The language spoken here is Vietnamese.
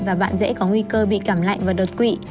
và bạn dễ có nguy cơ bị cảm lạnh và đột quỵ